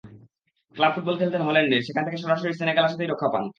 Club football খেলতেন হল্যান্ডে, সেখান থেকে সরাসরি সেনেগালে আসাতেই রক্ষা পান।